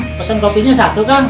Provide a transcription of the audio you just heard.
pak pesan kopinya satu kang